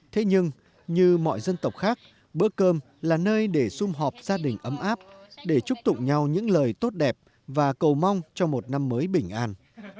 thế nhưng như mọi dân tộc khác bữa cơm là nơi để xung họp gia đình ấm áp để chúc tụng nhau những lời tốt đẹp và cầu mong cho một năm mới bình an